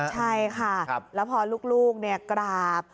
ใช่ค่ะแล้วพอลูกเนี่ยกราบ